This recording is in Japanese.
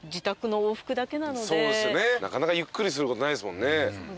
そうですよねなかなかゆっくりすることないですもんね。